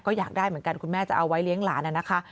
ก็อยากได้เหมือนกันคุณแม่จะเอาไว้เลี้ยงหลานนะคะ